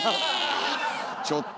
ちょっと！